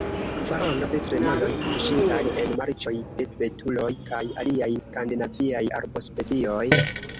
Kvarono – de tremoloj kuŝintaj en marĉoj, de betuloj kaj aliaj skandinaviaj arbospecioj.